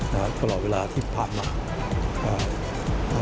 ตลอดเวลาที่ผ่านมาอ่า